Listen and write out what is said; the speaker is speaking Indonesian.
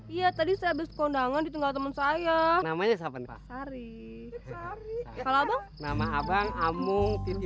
iya tadi saya bes kondangan di tengah temen saya namanya siapa hari kalau nama abang amung titi